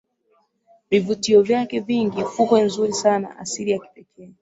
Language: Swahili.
Vivutio vyake vingi fukwe nzuri sana asili ya kipekee